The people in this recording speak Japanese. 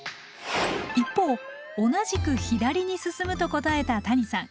一方同じく左に進むと答えた谷さん。